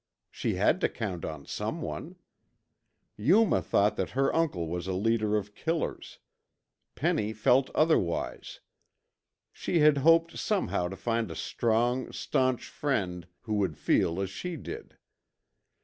She had to count on someone. Yuma thought that her uncle was a leader of killers. Penny felt otherwise. She had hoped somehow to find a strong, stanch friend who would feel as she did.